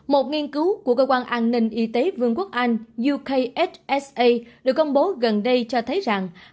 một nghiên cứu của cơ quan an ninh y tế vương quốc anh yuksa được công bố gần đây cho thấy rằng